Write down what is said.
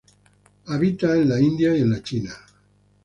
Habita en la India y la China.